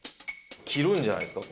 切るんじゃないですか？